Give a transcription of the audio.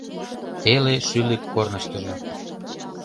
Теле шӱлык корныштыжо